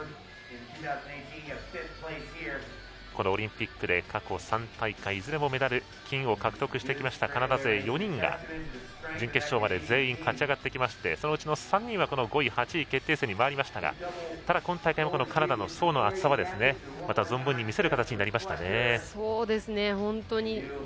このオリンピックで過去３大会いずれもメダル金を獲得してきたカナダ勢４人が準決勝まで全員勝ち上がってきましてそのうちの３人が５位８位決定戦に回りましたがカナダの層の厚さは存分に見せる形になりました。